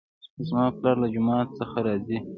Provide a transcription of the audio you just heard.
زما پلار له جومات څخه راځي